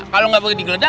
kalo gak boleh digeledah